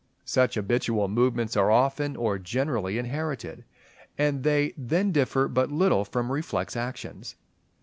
Such habitual movements are often, or generally inherited; and they then differ but little from reflex actions.